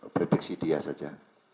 prediksi dia saja